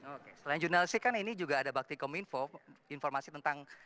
oke selain jurnalistik kan ini juga ada bakti kominfo informasi tentang